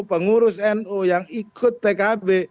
pengurus nu yang ikut pkb